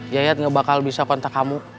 yayat gak bakal bisa kontak kamu